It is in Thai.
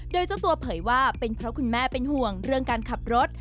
โดยเจ้าตัวเผยว่าเป็นเพราะคุณแม่เป็นห่วงเรื่องการขับรถ